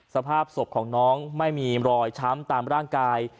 สภาพศพของน้องไม่มีรอยช้ำตามร่างกาย